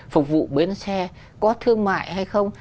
phục vụ bến xe có thương mại hay không